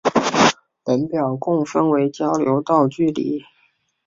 本表共分为交流道距离。